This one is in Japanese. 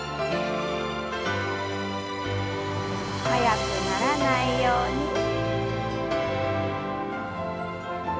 速くならないように。